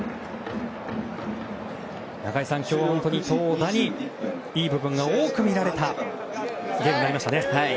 中居さん、今日は投打にいい部分が多く見られたゲームになりましたね。